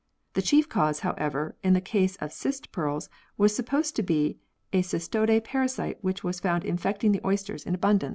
The chief cause, however, in the case of cyst pearls was supposed to be a cestode parasite which was found infecting the oysters in abundance.